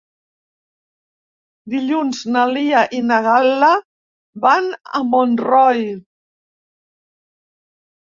Dilluns na Lia i na Gal·la van a Montroi.